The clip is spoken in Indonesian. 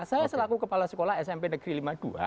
saya selaku kepala sekolah smp negeri lima puluh dua